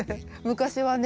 昔はね